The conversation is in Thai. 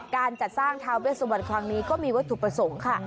การจัดสร้างทาเวสวันครั้งนี้ก็มีวัตถุประสงค์ค่ะ